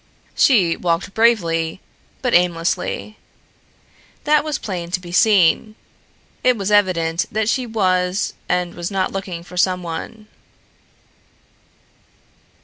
She walked bravely, but aimlessly. That was plain to be seen. It was evident that she was and was not looking for someone.